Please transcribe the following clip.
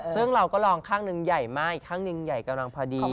ซึ่งเราก็ลองข้างหนึ่งใหญ่มากอีกข้างหนึ่งใหญ่กำลังพอดี